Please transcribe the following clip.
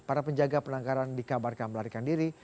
para penjaga penangkaran dikabarkan melarikan diri